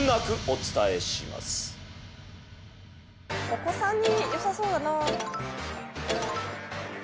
お子さんによさそうだな。